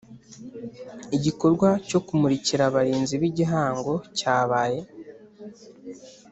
Igikorwa cyo kumurika Abarinzi b’Igihango cyabaye